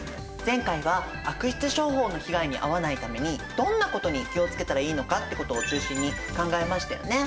前回は悪質商法の被害に遭わないためにどんなことに気を付けたらいいのかってことを中心に考えましたよね。